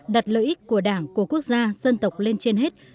đảng của quốc gia dân tộc lên trên hết